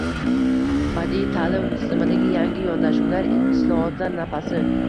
Badiiy ta’lim tizimidagi yangi yondashuvlar – islohotlar nafasi